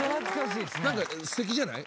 何かすてきじゃない？